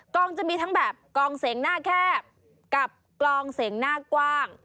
จะมีทั้งแบบกองเสียงหน้าแคบกับกลองเสียงหน้ากว้าง